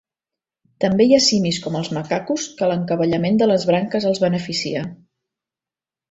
També hi ha simis com els macacos que l'encavallament de les branques els beneficia.